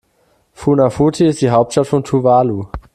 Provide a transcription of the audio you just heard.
Funafuti ist die Hauptstadt von Tuvalu.